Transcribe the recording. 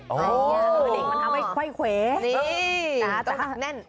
เล็กมันทำให้ค่อยแคว